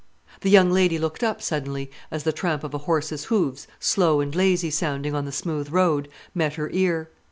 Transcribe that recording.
The young lady looked up suddenly as the tramp of a horse's hoofs, slow and lazy sounding on the smooth road, met her ear.